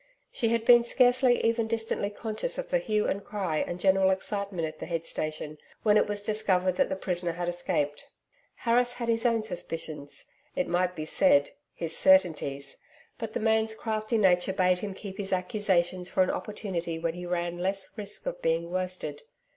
She had been scarcely even distantly conscious of the hue and cry, and general excitement at the head station, when it was discovered that the prisoner had escaped. Harris had his own suspicions it might be said, his certainties, but the man's crafty nature bade him keep his accusations for an opportunity when he ran less risk of being worsted.